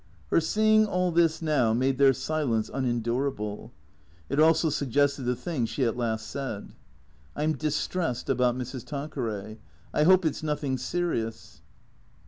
Her seeing all this now made their silence unendurable. It also suggested the thing she at last said. " I 'm distressed about Mrs. Tanqueray. I hope it 's nothing serious."